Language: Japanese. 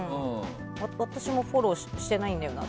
私もフォローしてないんだよな。